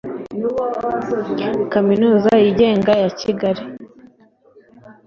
Kaminuza Yigenga ya Kigali